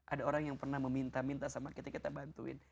ada orang yang pernah meminta minta sama kita kita bantuin